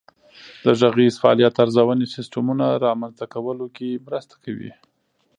د غږیز فعالیت ارزونې سیسټمونه رامنځته کولو کې مرسته کوي.